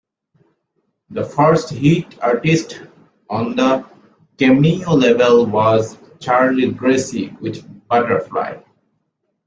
The first hit artist on the Cameo label was Charlie Gracie with "Butterfly".